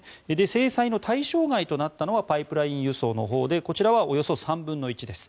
制裁の対象外となったのがパイプライン輸送のほうでこちらはおよそ３分の１です。